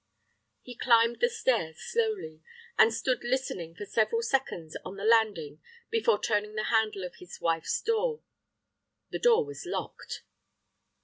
He climbed the stairs slowly, and stood listening for several seconds on the landing before turning the handle of his wife's door. The door was locked.